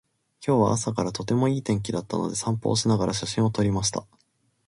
今日は朝からとてもいい天気だったので、散歩をしながら写真を撮りました。